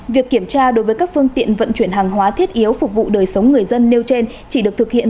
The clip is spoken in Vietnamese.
việc kiểm tra đối với các phương tiện vận chuyển hàng hóa thiết yếu phục vụ đời sống người dân nêu trên chỉ được thực hiện